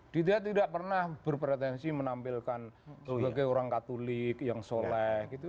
dia tidak pernah berpretensi menampilkan sebagai orang katolik yang soleh gitu